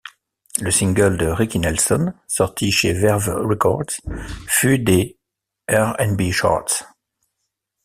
Le single de Ricky Nelson, sorti chez Verve Records, fut des R&B charts.